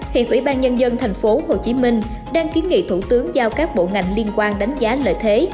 hiện ủy ban nhân dân tp hcm đang kiến nghị thủ tướng giao các bộ ngành liên quan đánh giá lợi thế